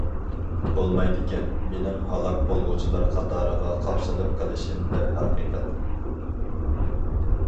بولمايدىكەن، مېنىڭ ھالاك بولغۇچىلار قاتارىغا قاپسىلىپ قېلىشىم دەرھەقىقەت.